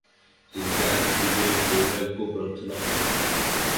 তিনি জ্ঞান ও বিবেক-বৈরাগ্য প্রার্থনা করেন।